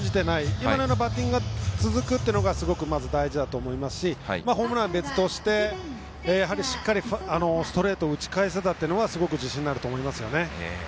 今のバッティングが続くというのがすごく大事だと思いますしホームランは別としてしっかりストレートを打ち返せたというのはすごく自信になると思いますよね。